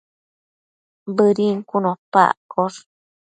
Bëdin cun opa accosh